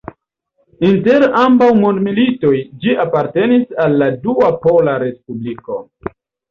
Inter ambaŭ mondmilitoj ĝi apartenis al la Dua Pola Respubliko.